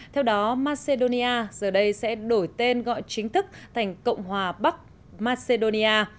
theo đó macedonia giờ đây sẽ đổi tên gọi chính thức thành cộng hòa bắc macedonia